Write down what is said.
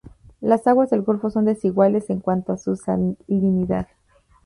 Las aguas del golfo son desiguales en cuanto a su salinidad.